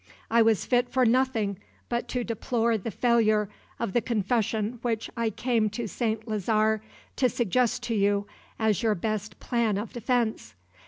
I was fit for nothing but to deplore the failure of the confession which I came to St. Lazare to suggest to you as your best plan of defense.